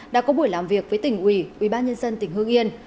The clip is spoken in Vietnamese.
đã có buổi làm việc với tỉnh ủy ủy ban nhân dân tỉnh hương yên